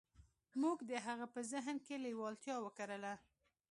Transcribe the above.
موږ د هغه په ذهن کې لېوالتیا وکرله.